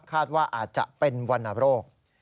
คาดว่าอาจจะเป็นวรรณโรค